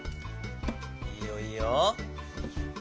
いいよいいよ。